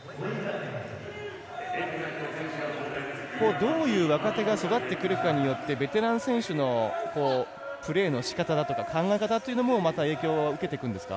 どういう若手が育ってくるかによってベテラン選手のプレーのしかただとか考え方というのにもまた影響は受けてくるんですか？